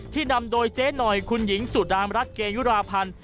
นำโดยเจ๊หน่อยคุณหญิงสุดามรัฐเกยุราพันธ์